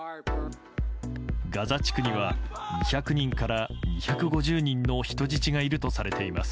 ガザ地区には２００人から２５０人の人質がいるとされています。